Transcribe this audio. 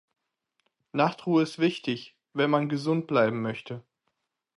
Nachtruhe ist wichtig, wenn man gesund bleiben möchte.